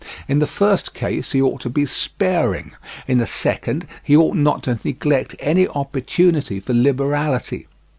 In the first case he ought to be sparing, in the second he ought not to neglect any opportunity for liberality.